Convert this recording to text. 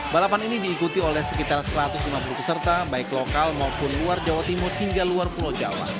balapan ini diikuti oleh sekitar satu ratus lima puluh peserta baik lokal maupun luar jawa timur hingga luar pulau jawa